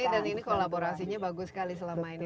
ini dan ini kolaborasinya bagus sekali selama ini